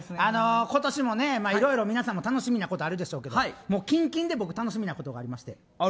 今年もいろいろ皆さんも楽しみなことあるでしょうけど近々で僕楽しみなことがありまして。